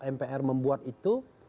mpr membuat itu